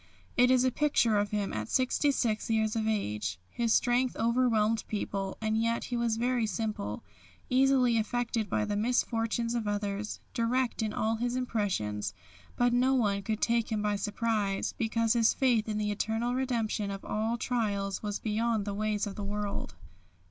It is a picture of him at 66 years of age. His strength overwhelmed people, and yet he was very simple, easily affected by the misfortunes of others, direct in all his impressions; but no one could take him by surprise, because his faith in the eternal redemption of all trials was beyond the ways of the world.